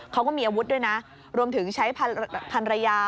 เขาก็มีอาวุธด้วยนะรวมถึงใช้พันรยา